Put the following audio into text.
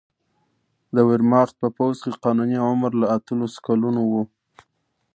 د ویرماخت په پوځ کې قانوني عمر له اتلسو کلونو و